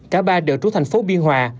cả ba đều trú thành phố biên hòa